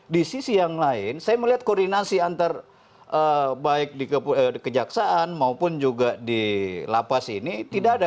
di sisi yang lain saya melihat koordinasi antar baik di kejaksaan maupun juga di lapas ini tidak ada